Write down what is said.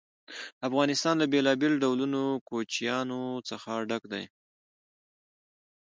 افغانستان له بېلابېلو ډولونو کوچیانو څخه ډک دی.